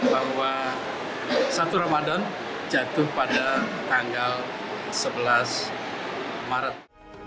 bahwa satu ramadan jatuh pada tanggal sebelas maret